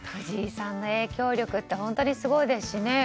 藤井さんの影響力って本当にすごいですしね。